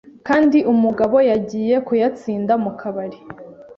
kandi umugabo yagiye kuyatsinda mu kabari.